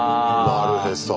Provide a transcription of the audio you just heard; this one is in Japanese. なるへそ。